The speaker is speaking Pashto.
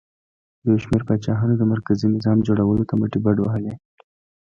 یو شمېر پاچاهانو د مرکزي نظام جوړولو ته مټې بډ وهلې